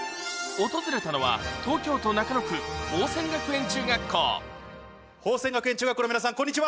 訪れたのは宝仙学園中学校の皆さんこんにちは。